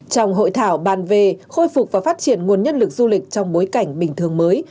trong hội thảo bàn về khôi phục và phát triển nguồn nhân lực du lịch trong bối cảnh bình thường mới